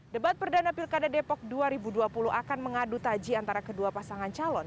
debat perdana pilkada depok dua ribu dua puluh akan mengadu taji antara kedua pasangan calon